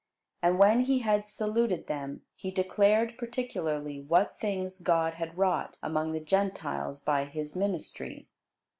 And when he had saluted them, he declared particularly what things God had wrought among the Gentiles by his ministry.